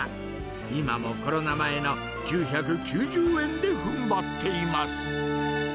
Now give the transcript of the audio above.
今もコロナ前の９９０円でふんばっています。